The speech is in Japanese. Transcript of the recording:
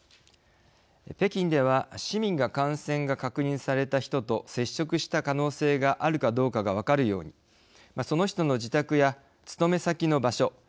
北京では、市民が感染が確認された人と接触した可能性があるかどうかが分かるようにその人の自宅や勤め先の場所